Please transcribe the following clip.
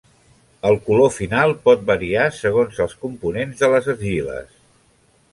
El color final pot variar segons els components de les argiles.